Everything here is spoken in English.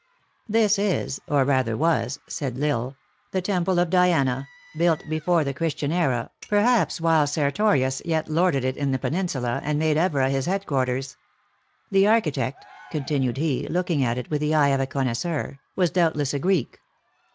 " This is, or rather was," said L Isle, " the temple of Diana, built before the Christian era, perhaps while Sertorius yet lorded it in the Peninsula, and made Evora his headquarters. The architect," continued he, looking at it with the eye of a connoisseur, " was doubtless a Greek.